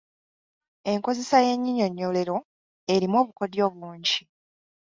Enkozesa y’ennyinyonnyolero erimu obukodyo bungi.